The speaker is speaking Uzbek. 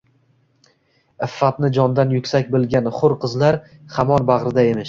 Iffatni jondan yuksak bilgan hur qizlar hamon bagʼrida emish.